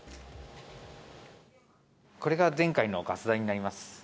これが前回のガス代になります。